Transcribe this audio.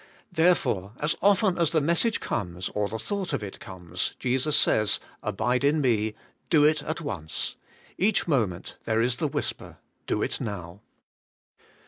Therefore, as often as the message comes, or the thought of it comes, Jesus says. Abide in me: do it at once. Each moment there is the whisper. Do it now.